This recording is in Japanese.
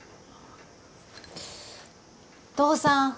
父さん。